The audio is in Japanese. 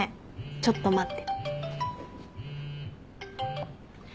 ちょっと待って。